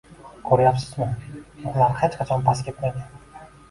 Koʻrayapsizmi, ulugʻlar hech qachon past ketmagan